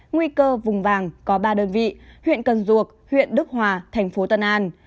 nguy cơ vùng vàng có ba đơn vị huyện cần duộc huyện đức hòa thành phố tân an